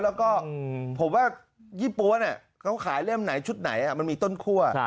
แล้วก็ผมว่ายี่ปั๊วเขาขายเล่มไหนชุดไหนมันมีต้นคั่ว